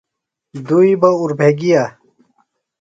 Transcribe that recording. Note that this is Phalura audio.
دُئی بہ اُربھےۡ گِیہ۔